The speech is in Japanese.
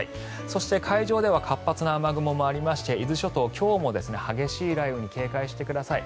そして、海上では活発な雨雲もありまして伊豆諸島、今日も激しい雷雨に警戒してください。